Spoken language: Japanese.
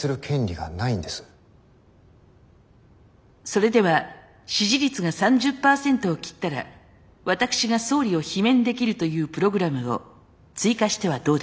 それでは支持率が３０％を切ったら私が総理を罷免できるというプログラムを追加してはどうでしょう。